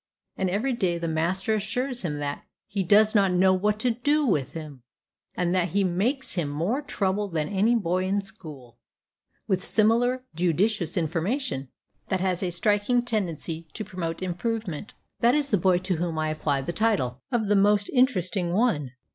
And every day the master assures him that "he does not know what to do with him," and that he "makes him more trouble than any boy in school," with similar judicious information, that has a striking tendency to promote improvement. That is the boy to whom I apply the title of "the most interesting one."